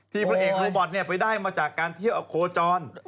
พระเอกโรบอทไปได้มาจากการเที่ยวอโคจร